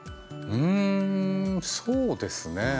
うんそうですね